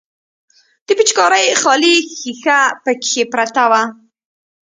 د پيچکارۍ خالي ښيښه پکښې پرته وه.